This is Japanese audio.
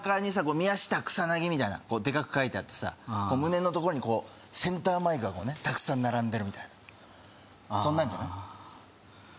宮下草薙みたいなでかく書いてあってさ胸の所にこうセンターマイクがこうねたくさん並んでるみたいなそんなんじゃない？